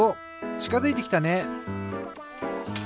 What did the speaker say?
ちかづいてきたね！